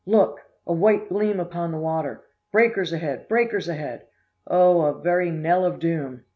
look! a white gleam upon the water! Breakers ahead! breakers ahead! Oh, a very knell of doom!